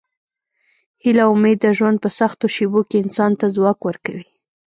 هیله او امید د ژوند په سختو شېبو کې انسان ته ځواک ورکوي.